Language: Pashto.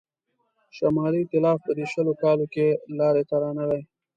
شمالي ایتلاف په دې شلو کالو کې لاري ته رانغی.